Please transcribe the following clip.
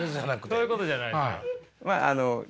そういうことじゃないですか。